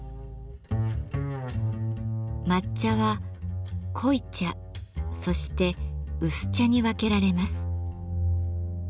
抹茶は「濃茶」そして「薄茶」に分けられます。